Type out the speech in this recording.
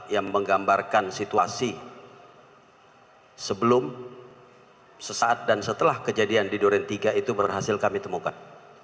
yang menggambarkan situasi sebelum sesaat dan setelah kejadian di duren tiga itu berhasil kami temukan